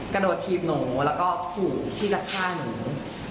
กระโดดถีบหนูแล้วก็ขู่ที่จะฆ่าหนู